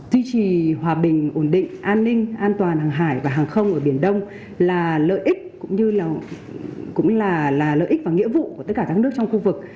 duy trì hòa bình ổn định an ninh an toàn hàng hải và hàng không ở biển đông là lợi ích và nghĩa vụ của tất cả các nước trong khu vực